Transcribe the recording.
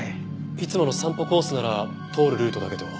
いつもの散歩コースなら通るルートだけど。